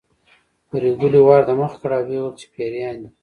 پريګلې وار د مخه کړ او وویل چې پيريان دي